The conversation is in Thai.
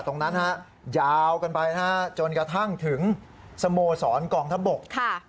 ตรงนั้นฮะยาวกันไปนะฮะจนกระทั่งถึงสโมสรกองทัพบก